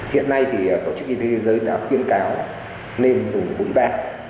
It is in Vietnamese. hiện nay thì tổ chức y tế thế giới đã khuyên cáo nên dùng bụng bát